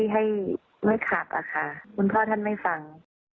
ให้ไม่ขับอะค่ะคุณพ่อท่านไม่ฟัง